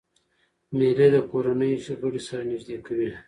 مېلې د کورنۍ غړي سره نږدې کوي.